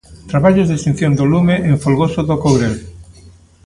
Traballos de extinción do lume en Folgoso do Courel.